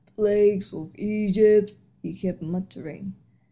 Plagues of Egypt!" he kept muttering.